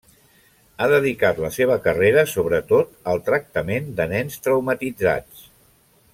Ha dedicat la seva carrera sobretot al tractament de nens traumatitzats.